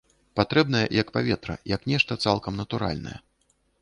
Патрэбная як паветра, як нешта цалкам натуральнае.